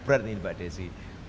berat nih mbak desi